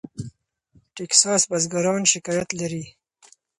ټیکساس بزګران شکایت لري.